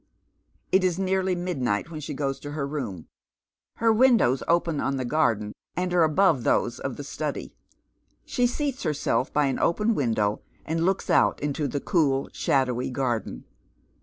It is nearly midnight when she goes to If" " om. Her windows open on the garden, and are above those c ,:.*e study. She seats herself by an open window, and looks out into the cool, shadowy garden.